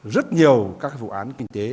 rất nhiều các vụ án kinh tế